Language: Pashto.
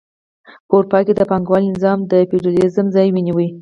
په اروپا کې د پانګوالۍ نظام د فیوډالیزم ځای ونیو.